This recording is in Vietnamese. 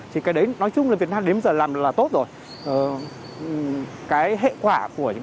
thì cái đấy nói chung là việt nam đến giờ làm là tốt rồi